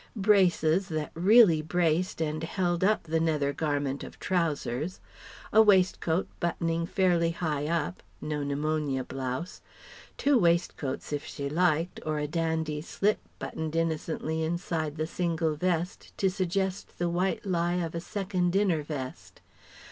Braces that really braced and held up the nether garment of trousers; a waistcoat buttoning fairly high up (no pneumonia blouse) two waistcoats if she liked, or a dandy slip buttoned innocently inside the single vest to suggest the white lie of a second inner vest.